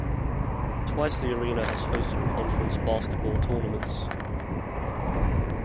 Twice the arena has hosted conference basketball tournaments.